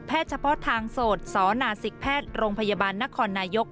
เฉพาะทางโสดสนศิกแพทย์โรงพยาบาลนครนายก